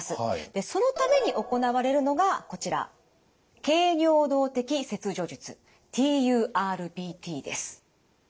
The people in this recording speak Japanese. でそのために行われるのがこちら経尿道的切除術ＴＵＲＢＴです。